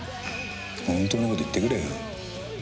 本当のことを言ってくれよ。